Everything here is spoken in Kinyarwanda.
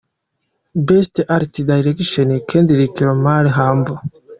Best Art Direction: Kendrick Lamar - Humble.